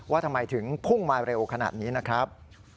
ว่าทำไมถึงพุ่งมาเร็วขนาดนี้นะครับ